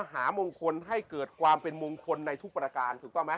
หามงคลให้เกิดความเป็นมงคลในทุกประการถูกต้องไหม